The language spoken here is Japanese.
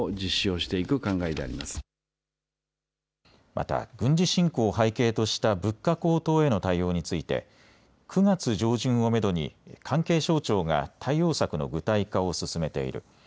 また軍事侵攻を背景とした物価高騰への対応について９月上旬をめどに関係省庁が対応策の具体化を進めている。